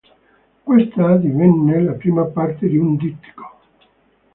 Questa divenne la prima parte di un dittico.